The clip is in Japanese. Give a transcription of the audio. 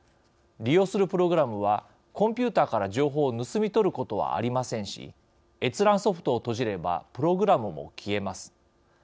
利用するプログラムはコンピューターから情報を盗み取ることはありませんし閲覧ソフトを閉じればプログラムも消えます。